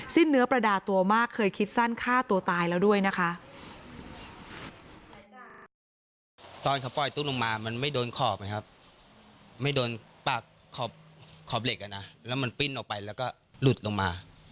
เนื้อประดาตัวมากเคยคิดสั้นฆ่าตัวตายแล้วด้วยนะคะ